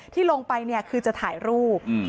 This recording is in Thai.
ที่ลงไปเนี่ยคือจะถ่ายรูป